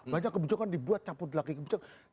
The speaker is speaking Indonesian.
banyak kebijakan dibuat cabut lagi kebijakan